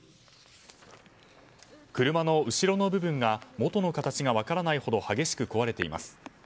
車の後ろの部分が元の形が分からないほど激しく壊れています。